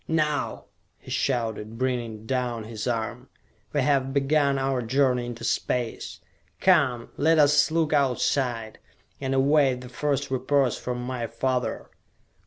"Now!" he shouted, bringing down his arm. "We have begun our journey into space! Come, let us look Outside, and await the first reports from my father!"